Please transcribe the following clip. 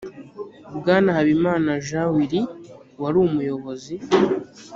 bwana habimana jean willy wari umuyobozi